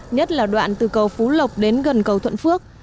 nhất là đoạn từ cầu phú lộc đến gần cầu thuận phước